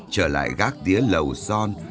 trở lại gác đĩa lầu son